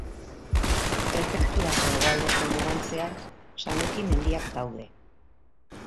Prefekturako hegoaldeko mugan zehar Sanuki mendiak daude.